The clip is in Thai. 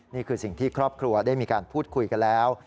นี่คือสิ่งที่ครอบครัวได้มีการพูดคุยกันแล้ว